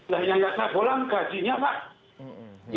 nah yang saya pulang gajinya pak